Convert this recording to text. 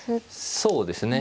そうですね。